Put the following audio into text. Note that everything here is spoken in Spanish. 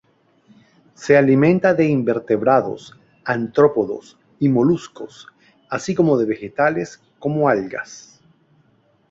Se alimenta de invertebrados, artrópodos y moluscos, así como de vegetales, como algas.